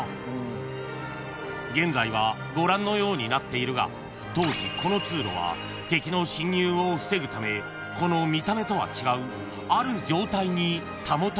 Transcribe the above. ［現在はご覧のようになっているが当時この通路は敵の侵入を防ぐためこの見た目とは違うある状態に保たれていたという］